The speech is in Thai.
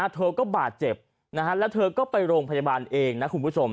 เธอก็บาดเจ็บแล้วเธอก็ไปโรงพยาบาลเองนะคุณผู้ชม